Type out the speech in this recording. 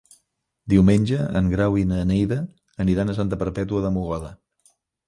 Diumenge en Grau i na Neida aniran a Santa Perpètua de Mogoda.